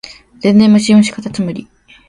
電電ムシムシかたつむり